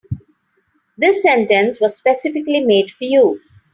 This sentence was specifically made for you.